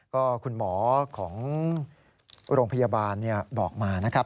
ก็คุณหมอของโรงพยาบาลบอกมานะครับ